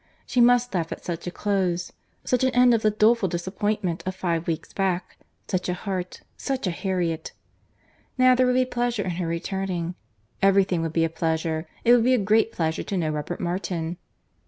She must laugh at such a close! Such an end of the doleful disappointment of five weeks back! Such a heart—such a Harriet! Now there would be pleasure in her returning—Every thing would be a pleasure. It would be a great pleasure to know Robert Martin.